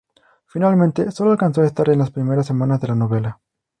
Finalmente, sólo alcanzó a estar en las primeras semanas de la novela.